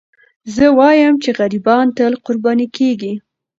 زه وایم چې غریبان تل قرباني کېږي.